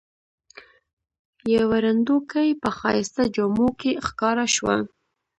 یوه ړندوکۍ په ښایسته جامو کې ښکاره شوه.